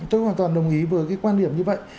tôi hoàn toàn đồng ý với cái quan điểm như vậy